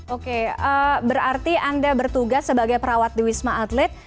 oke berarti anda bertugas sebagai perawat di wisma atlet